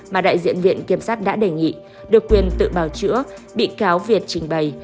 mà đại diện viện kiểm sát đã đề nghị được quyền tự bào chữa bị cáo việt trình bày